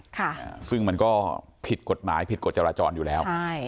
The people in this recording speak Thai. ค่ะซึ่งมันก็ผิดกฎหมายผิดกฎจราจรอยู่แล้วใช่